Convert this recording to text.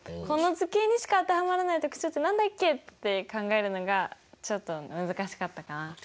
この図形にしか当てはまらない特徴って何だっけって考えるのがちょっと難しかったかな。